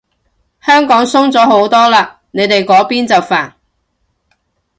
香港鬆咗好多嘞，你哋嗰邊就煩